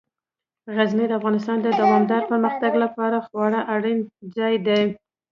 غزني د افغانستان د دوامداره پرمختګ لپاره خورا اړین ځای دی.